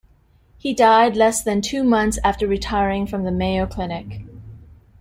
He died less than two months after retiring from the Mayo Clinic.